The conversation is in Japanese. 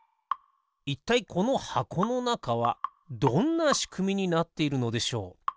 いったいこのはこのなかはどんなしくみになっているのでしょう？